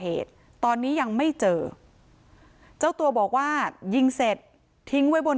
เหตุตอนนี้ยังไม่เจอเจ้าตัวบอกว่ายิงเสร็จทิ้งไว้บน